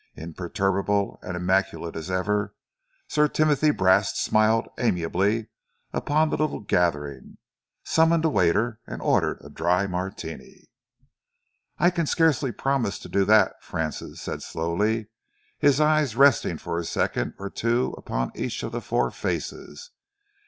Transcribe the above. Imperturbable and immaculate as ever, Sir Timothy Brast smiled amiably upon the little gathering, summoned a waiter and ordered a Dry Martini. "I can scarcely promise to do that," Francis said slowly, his eyes resting for a second or two upon each of the four faces.